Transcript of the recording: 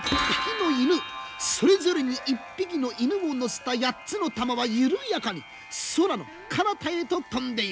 それぞれに１匹の犬を乗せた八つの珠は緩やかに空のかなたへと飛んでゆく。